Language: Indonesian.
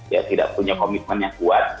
ya tidak punya komitmen yang kuat